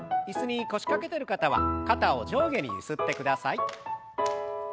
椅子に腰掛けてる方は肩を上下にゆすってください。